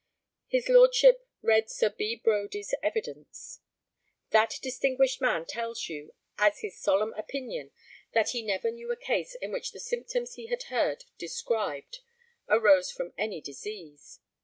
[His Lordship read Sir B. Brodie's evidence.] That distinguished man tells you, as his solemn opinion, that he never knew a case in which the symptoms he had heard described arose from any disease.